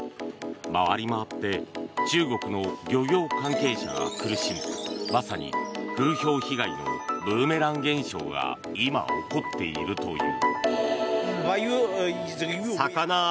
回りまわって中国の漁業関係者が苦しむまさに風評被害のブーメラン現象が今、起こっているという。